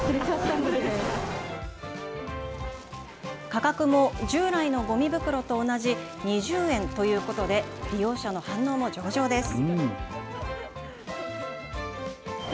価格も従来のごみ袋と同じ２０円ということで利用者の反応も上昇です。